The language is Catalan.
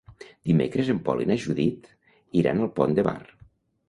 Dimecres en Pol i na Judit iran al Pont de Bar.